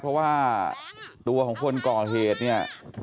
เพราะว่าตัวของคนก่อเหตุเนี่ย